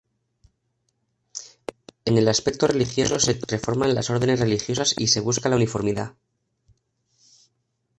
En el aspecto religioso se reforman las órdenes religiosas y se busca la uniformidad.